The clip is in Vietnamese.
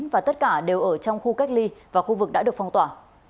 và tất cả đều ở trong khu cách ly và khu vực đã được phong tỏa